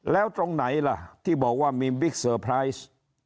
แล้วตรงไหนล่ะที่บอกว่ามีบิ๊กเซอร์ไพรส์